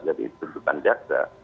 dari tuntutan jaksa